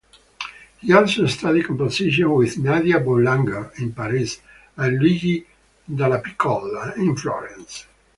He also studied composition with Nadia Boulanger in Paris and Luigi Dallapicolla in Florence.